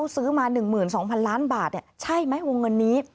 ซื้อมา๑๒๐๐๐ล้านบาทใช่ไหมวงเงินนี้